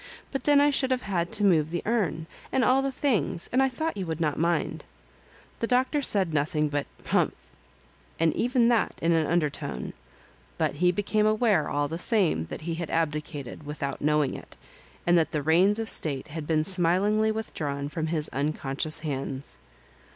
" But then I should have had to move the urn, and all the things, and I thought you would not mind." The Doctor said nothing but '' Humph I and even that in an undertone ; but he became aware all the same that he had abdicated, without knowing it, and that the reins of state had been smilingly with drawn from his unconscious hands.